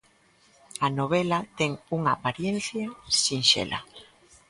A novela ten unha aparencia sinxela.